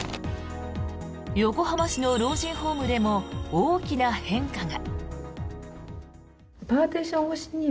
横浜市の老人ホームでも大きな変化が。